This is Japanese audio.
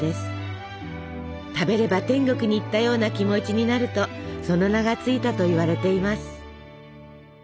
食べれば天国に行ったような気持ちになるとその名が付いたといわれています。